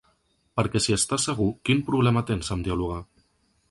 Perquè si estàs segur, quin problema tens amb dialogar?